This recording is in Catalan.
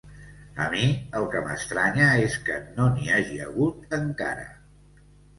A mi el que m'estranya és que no n'hi hagi hagut encara.